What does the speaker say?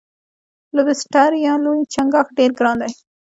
لوبسټر یا لوی چنګاښ ډیر ګران دی.